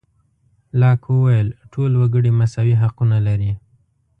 لاک وویل ټول وګړي مساوي حقونه لري.